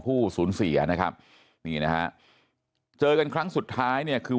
ผู้สูญเสียนะครับนี่นะฮะเจอกันครั้งสุดท้ายเนี่ยคือ